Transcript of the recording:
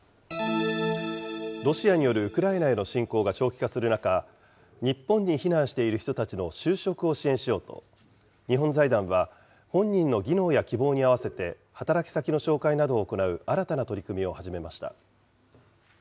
ロシアによるウクライナへの侵攻が長期化する中、日本に避難している人たちの就職を支援しようと、日本財団は本人の技能や希望に合わせて、働き先の紹介などを行う新たな取り組みを始めました。